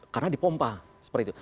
karena dipompa seperti itu